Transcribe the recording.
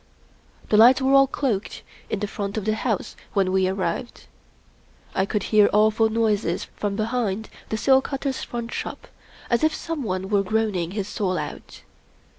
The lights were all cloaked in the front of the house 30 Rudyard Kipling when we arrived. I could hear awful noises from behind the seal cutter's shop front, as if some one were groaning his soul out.